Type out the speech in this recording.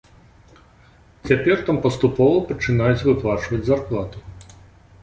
Цяпер там паступова пачынаюць выплачваць зарплату.